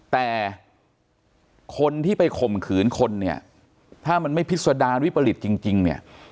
แต่คนที่ไปข่มขืนคนเนี่ยถ้ามันไม่พิษดารวิปริตจริงเนี่ย